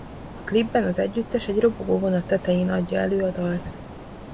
A klipben az együttes egy robogó vonat tetején adja elő a dalt.